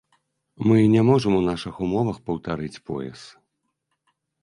Мы не можам у нашых умовах паўтарыць пояс.